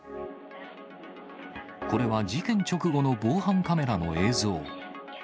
これは事件直後の防犯カメラの映像。